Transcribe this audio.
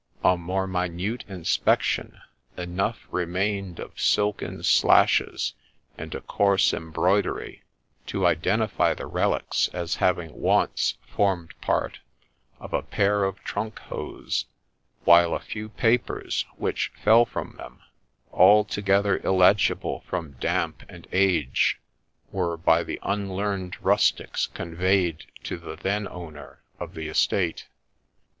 On more minute inspection enough remained of silken slashes and a coarse embroidery to identify the relics as having once formed part of a pair of trunk hose ; while a few papers which fell from them, altogether illegible from damp and age, were by the unlearned rustics conveyed to the then owner of the estate.